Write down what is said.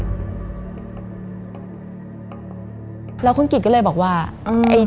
มันกลายเป็นรูปของคนที่กำลังขโมยคิ้วแล้วก็ร้องไห้อยู่